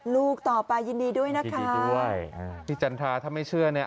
ลูกต่อไปยินดีด้วยนะคะยินดีด้วยพี่จันทราถ้าไม่เชื่อเนี่ย